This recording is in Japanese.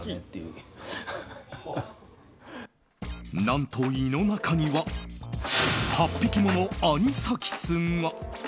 何と胃の中には８匹ものアニサキスが。